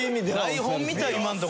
台本みたい今のとこ。